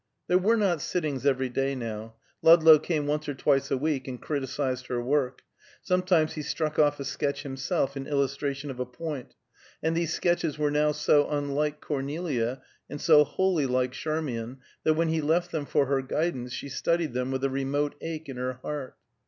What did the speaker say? There were not sittings every day, now; Ludlow came once or twice a week, and criticised her work; sometimes he struck off a sketch himself, in illustration of a point, and these sketches were now so unlike Cornelia, and so wholly like Charmian, that when he left them for her guidance, she studied them with a remote ache in her heart.